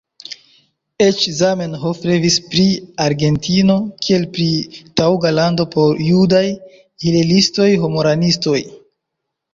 Eĉ Zamenhof revis pri Argentino, kiel pri taŭga lando por judaj hilelistoj-homaranistoj.